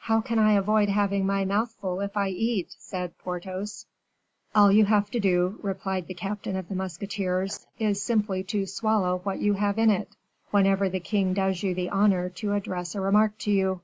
"How can I avoid having my mouth full if I eat?" said Porthos. "All you have to do," replied the captain of the musketeers, "is simply to swallow what you have in it, whenever the king does you the honor to address a remark to you."